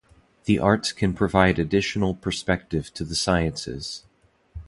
The arts can provide additional perspective to the sciences.